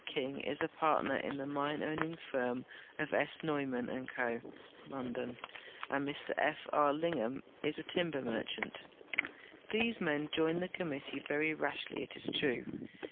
J. King is a partner in the mine owning firm of S. Neumann & Co., London, and Mr F. R. Lingham is a timber merchant. These men joined the com mittee very rashly, it is true.